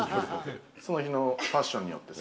その日のファッションによってさ。